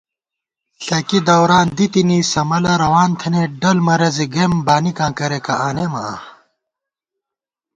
ݪَکی دوران دی تِنی، سَمَلہ روان تھنئیت، ڈل مرَضےگئیم بانِکاں کریَکہ آنېمہ آں